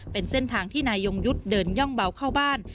เป็นเส้นทางที่นายยงยุทธ์เดินย่องเบาเข้าบ้าน